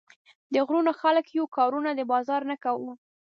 د غرونو خلک يو، کارونه د بازار نۀ کوو